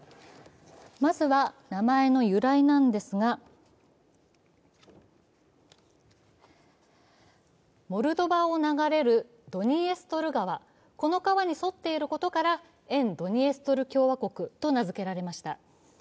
まずは、名前の由来なんですが、モルドバを流れるドニエストル川、この川に沿っていることから沿ドニエストル共和国と名付けられました。